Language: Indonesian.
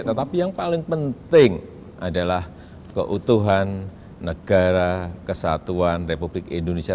tetapi yang paling penting adalah keutuhan negara kesatuan republik indonesia